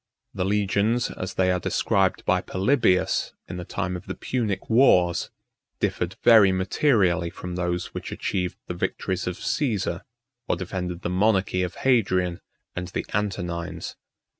The legions, as they are described by Polybius, 41 in the time of the Punic wars, differed very materially from those which achieved the victories of Cæsar, or defended the monarchy of Hadrian and the Antonines.